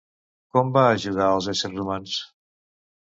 Com va ajudar als éssers humans?